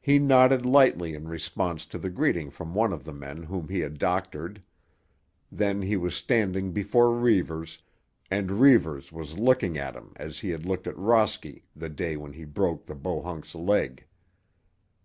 He nodded lightly in response to the greeting from one of the men whom he had doctored; then he was standing before Reivers, and Reivers was looking at him as he had looked at Rosky the day when he broke the Bohunk's leg.